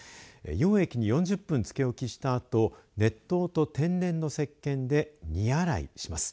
溶液に４０分つけ置きしたあと熱湯と天然のせっけんで煮洗いします。